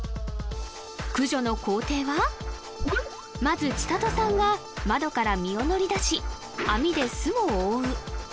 駆除の工程はまず千沙都さんが窓から身を乗り出し網で巣を覆う